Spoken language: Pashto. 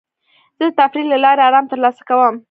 زه د تفریح له لارې ارام ترلاسه کوم.